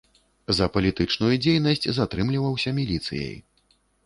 За палітычную дзейнасць затрымліваўся міліцыяй.